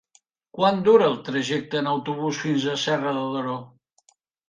Quant dura el trajecte en autobús fins a Serra de Daró?